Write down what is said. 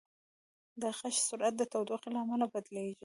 د غږ سرعت د تودوخې له امله بدلېږي.